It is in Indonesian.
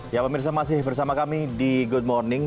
ya pemirsa masih bersama kami di good morning